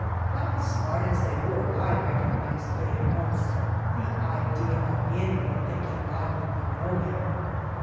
But smart as they were, I recognized Faye at once. The idea of anyone thinking I would not know him!